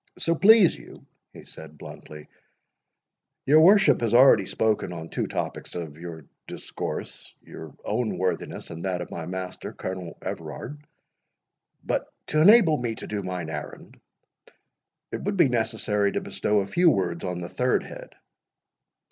"So please you" he said bluntly, "your worship has already spoken on two topics of your discourse, your own worthiness, and that of my master, Colonel Everard. But, to enable me to do mine errand, it would be necessary to bestow a few words on the third head."